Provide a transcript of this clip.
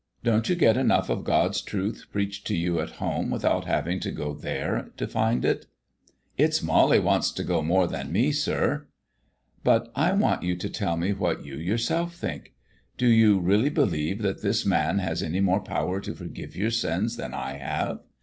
"Don't you get enough of God's truth preached to you at home without having to go there to find it?" "It's Molly wants to go more than me, sir." "But I want you to tell me what you yourself think. Do you really believe that this man has any more power to forgive your sins than I have?